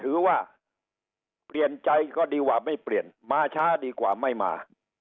หรือว่าเปลี่ยนใจก็ดีกว่าไม่เปลี่ยนมาช้าดีกว่าไม่มา